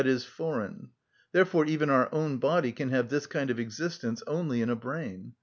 e._, foreign; therefore even our own body can have this kind of existence only in a brain.